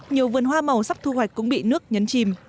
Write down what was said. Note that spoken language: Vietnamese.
nhiều vườn hoa màu sắp thu hoạch cũng bị nước nhấn chìm